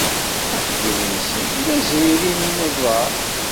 Axeddim-nsen d azriri n yinuẓar.